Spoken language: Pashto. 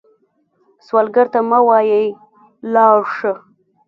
سوالګر ته مه وايئ “لاړ شه”